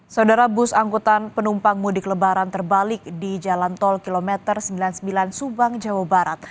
saudara bus angkutan penumpang mudik lebaran terbalik di jalan tol kilometer sembilan puluh sembilan subang jawa barat